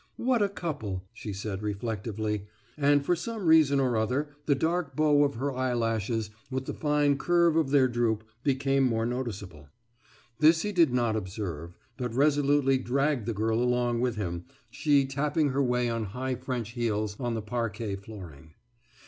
»What a couple!« she said reflectively, and for some reason or other the dark bow of her eye lashes, with the fine curve of their droop, became more noticeable. This he did not observe, but resolutely dragged the girl along with him, she tapping her way on high French heels on the parquet flooring.